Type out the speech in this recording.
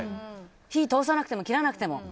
火を通さなくても切らなくても。